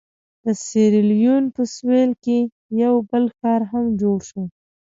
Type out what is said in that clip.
د سیریلیون په سوېل کې یو بل ښار هم جوړ شو.